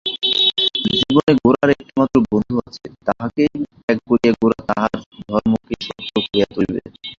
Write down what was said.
জীবনে গোরার একটিমাত্র বন্ধু আছে তাহাকেই ত্যাগ করিয়া গোরা তাহার ধর্মকে সত্য করিয়া তুলিবে।